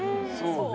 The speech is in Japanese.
そう。